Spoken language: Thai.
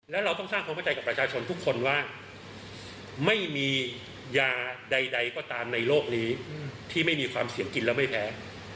แล้วเราต้องสร้างความเข้าใจกับประชาชนทุกคนว่าไม่มียาใดก็ตามในโลกนี้ที่ไม่มีความเสี่ยงกินแล้วไม่แพ้